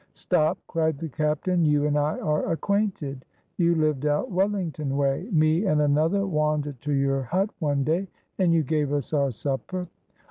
"Stop," cried the captain, "you and I are acquainted you lived out Wellington way me and another wandered to your hut one day and you gave us our supper."